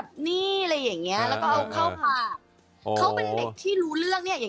เขาเป็นเด็กที่รู้เรื่องเนี่ย